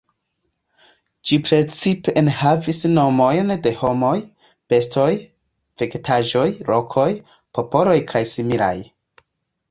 Ĝi precipe enhavas nomojn de homoj, bestoj, vegetaĵoj, lokoj, popoloj kaj similaj.